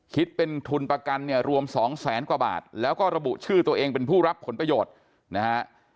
คิดเป็นทุนประกันเนี่ยรวมสองแสนกว่าบาทแล้วก็ระบุชื่อตัวเองเป็นผู้รับผลประโยชน์นะฮะ